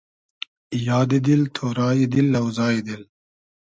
یادی دېل، تۉرای دیل، لۆزای دیل